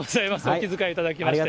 お気遣いいただきまして。